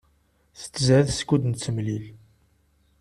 Tettzad skud nettemlil.